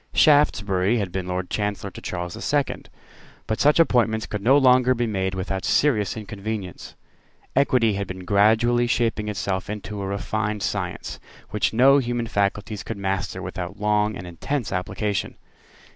Shaftesbury had been Lord Chancellor to Charles the Second. But such appointments could no longer be made without serious inconvenience. Equity had been gradually shaping itself into a refined science, which no human faculties could master without long and intense application.